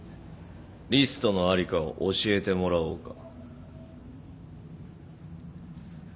リストの在りかを教えてもらおうか。